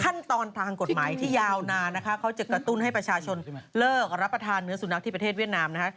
ขั้นตอนทางกฎหมายที่ยาวนานนะคะเขาจะกระตุ้นให้ประชาชนเลิกรับประทานเนื้อสุนัขที่ประเทศเวียดนามนะคะ